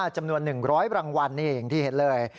จำนวน๑๐๐รางวัลนี่อย่างที่เห็นเลย